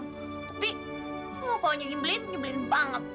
tapi kok nyembelin nyembelin banget